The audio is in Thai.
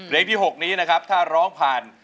เพลงที่๖นี้ถ้าร้องผ่าน